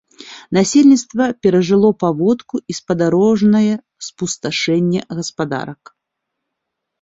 Насельніцтва перажыло паводку і спадарожнае спусташэнне гаспадарак.